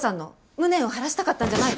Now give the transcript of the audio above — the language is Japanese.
無念を晴らしたかったんじゃないの？